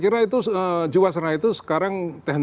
kira itu jawa serna itu sekarang